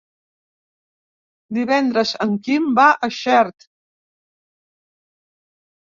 Divendres en Quim va a Xert.